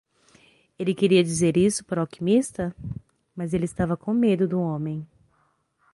Ele queria dizer isso para o alquimista?, mas ele estava com medo do homem.